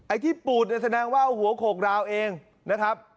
ที่ปูดเนี่ยแสดงว่าหัวโขกราวเองนะครับ